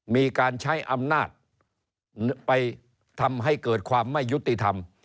มีการใช้อำนาจไปทำให้เกิดความไม่ยุติธรรม